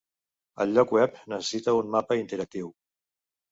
El lloc web necessita un mapa interactiu